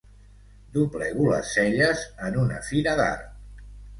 Doblego les celles en una fira d'art.